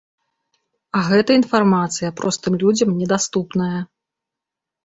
А гэтая інфармацыя простым людзям недаступная.